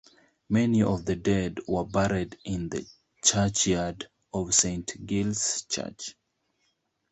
Many of the dead were buried in the churchyard of Saint Giles' Church.